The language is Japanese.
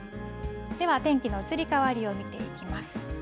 では天気の移り変わりを見ていきます。